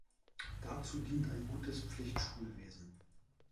Dazu dient ein gutes Pflichtschulwesen.